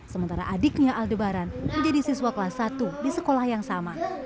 sementara adiknya aldebaran menjadi siswa kelas satu di sekolah yang sama